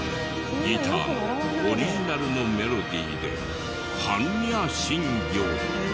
ギターのオリジナルのメロディーで『般若心経』。